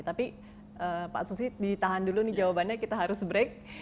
tapi pak susi ditahan dulu nih jawabannya kita harus break